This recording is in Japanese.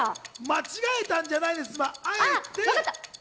間違えたんじゃないんです、あえて。